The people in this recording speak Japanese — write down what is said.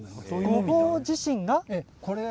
ごぼう自身は？